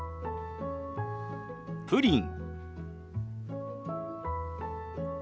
「プリン」。